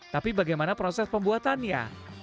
tapi bagaimana proses pembuatannya